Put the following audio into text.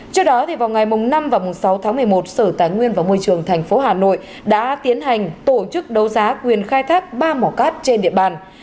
trước đó vào ngày năm và sáu tháng một mươi một sở tài nguyên và môi trường tp hà nội đã tiến hành tổ chức đấu giá quyền khai thác ba mỏ cát trên địa bàn